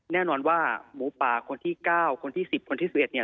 แน่นอนว่าหมูป่าคนที่๙คนที่๑๐คนที่๑๑เนี่ย